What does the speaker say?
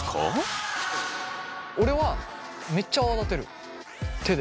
俺はめっちゃ泡立てる手で。